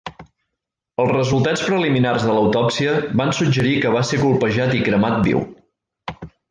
Els resultats preliminars de l'autòpsia van suggerir que va ser colpejat i cremat viu.